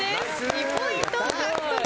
２ポイント獲得。